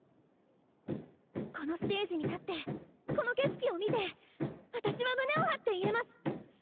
このステージに立ってこの景色を見て私は胸を張って言えます！